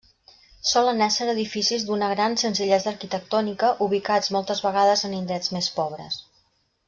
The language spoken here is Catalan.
Solen ésser edificis d'una gran senzillesa arquitectònica ubicats moltes vegades en indrets més pobres.